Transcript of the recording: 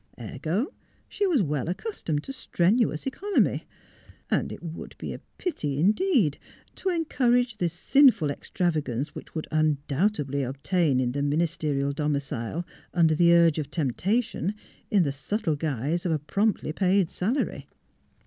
Ergo : she was well accustomed to strenuous economy; and it would be a pity, indeed, to encourage the sinful extrava gance which would undoubtedly obtain in the min isterial domicile under the urge of temptation in the subtle guise of a promptly paid salary.